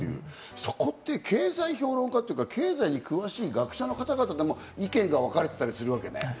そこって経済評論家、経済に詳しい学者の方々でも、意見が分かれてたりするわけね。